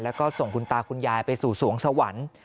แล้วก็ส่งคุณตาคุณยายไปสู่สวงสวรรค์